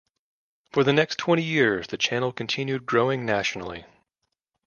For the next twenty years, the channel continued growing nationally.